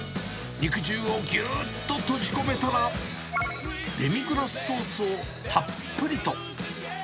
肉汁をぎゅーっと閉じ込めたら、デミグラスソースをたっぷりと。